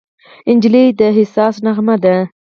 نجلۍ د احساس نغمه ده.